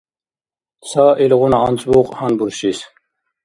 Ца илгъуна анцӀбукь гьанбуршис.